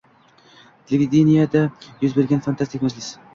“Televideniyeda yuz bergan fantastik majlis”